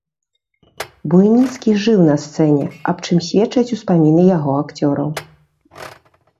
Буйніцкі жыў на сцэне, аб чым сведчаць успаміны яго акцёраў.